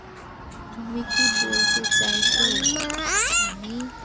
তুমি কি বলতে চাইছো, বানি?